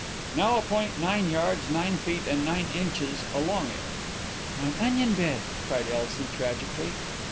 "Now a point nine yards, nine feet and nine inches along it." "My onion bed!" cried Elsie tragically.